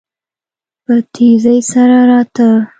په تيزی سره راته.